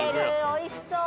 おいしそう！